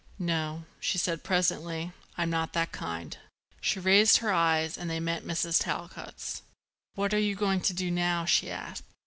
"No," she said presently. "I am not that kind." She raised her eyes and they met Mrs. Talcott's. "What are you going to do now?" she asked.